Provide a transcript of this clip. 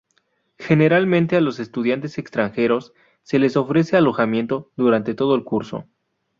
Generalmente a los estudiantes extranjeros se les ofrece alojamiento durante todo el curso.